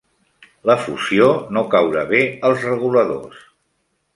La fusió no caurà bé als reguladors.